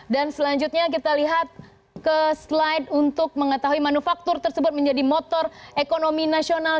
dan selanjutnya kita lihat ke slide untuk mengetahui manufaktur tersebut menjadi motor ekonomi nasional